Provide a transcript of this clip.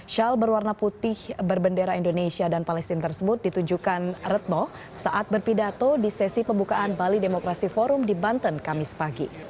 shawl berwarna putih berbendera indonesia dan palestina tersebut ditujukan retno saat berpidato di sesi pembukaan bali demokrasi forum di banten kamis pagi